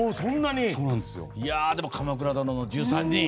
でも「鎌倉殿の１３人」。